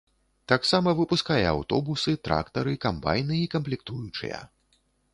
Таксама выпускае аўтобусы, трактары, камбайны і камплектуючыя.